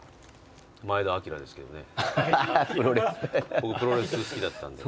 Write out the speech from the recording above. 僕プロレス好きだったんで。